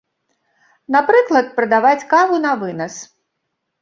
Напрыклад, прадаваць каву на вынас.